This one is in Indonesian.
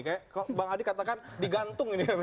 kayak bang adi katakan digantung ini